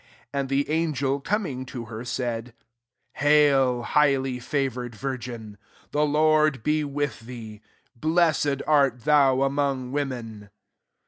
38 And the an* gel coming to her, saidj << Haily highly favoured wiv^n : the Lord be with thee : [blessed art thou among women.